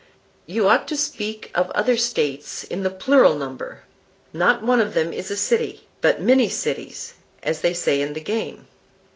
You ought to speak of other States in the plural number; not one of them is a city, but many cities, as they say in the game.